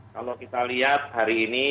kalau kita lihat hari ini